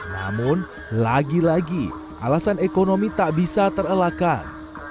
namun lagi lagi alasan ekonomi tak bisa terelakkan